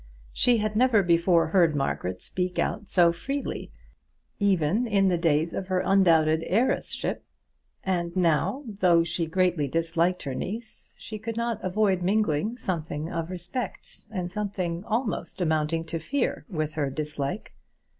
She had never before heard Margaret speak out so freely, even in the days of her undoubted heiress ship; and now, though she greatly disliked her niece, she could not avoid mingling something of respect and something almost amounting to fear with her dislike.